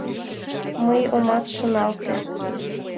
Мый омат шоналте.